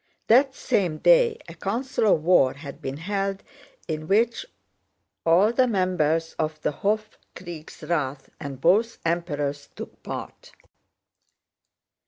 That same day a council of war had been held in which all the members of the Hofkriegsrath and both Emperors took part.